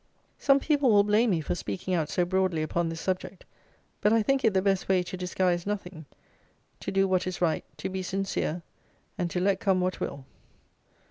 Some people will blame me for speaking out so broadly upon this subject. But I think it the best way to disguise nothing; to do what is right; to be sincere; and to let come what will.